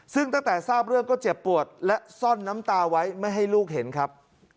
ซึ่งตั้งแต่ทราบเรื่องก็เจ็บปวดและซ่อนน้ำตาไว้ไม่ให้ลูกเห็นครับ